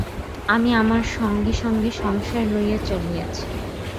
আমি আমার সঙ্গে সঙ্গে সংসার লইয়া চলিয়াছি।